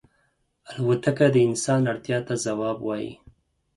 الوتکه د انسان اړتیا ته ځواب وايي.